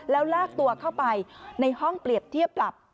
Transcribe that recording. แล้วลากตัวเข้าไปในห้องเปรียบเทียบปรับ